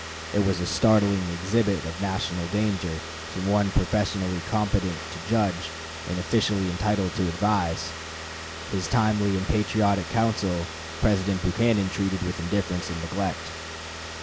It was a startling exhibit of national danger from one professionally competent to judge and officially entitled to advise. His timely and patriotic counsel President Buchanan treated with indifference and neglect.